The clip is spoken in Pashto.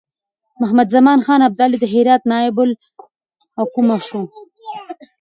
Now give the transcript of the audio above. محمدزمان خان ابدالي د هرات نایب الحکومه شو.